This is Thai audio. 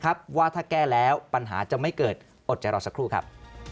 ว่าถ้าแก้แล้วปัญหาจะไม่เกิดอดใจรอสักครู่ครับ